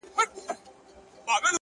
اې د قوتي زلفو مېرمني در نه ځمه سهار،